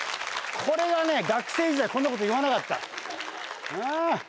これはね学生時代こんなこと言わなかったあぁ。